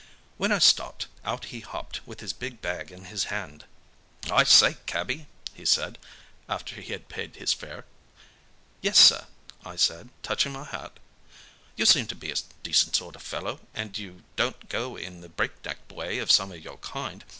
When I stopped, out he hopped with his big bag in his hand. "'I say cabbie!' he said, after he had paid his fare. "'Yes, sir,' said I, touching my hat. "'You seem to be a decent sort of fellow, and you don't go in the break neck way of some of your kind.